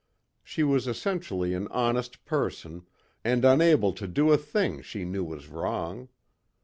She was essentially an honest person and unable to do a thing she knew was wrong.